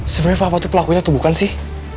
sebenarnya papa itu pelakunya tuh bukan sih